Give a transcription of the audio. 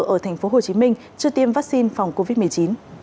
ở tp hcm chưa tiêm vaccine phòng covid một mươi chín